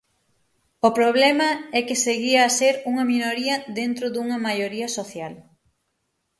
O problema é que seguía a ser unha minoría dentro dunha maioría social.